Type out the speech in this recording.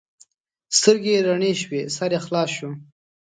سترګې یې رڼې شوې؛ سر یې خلاص شو.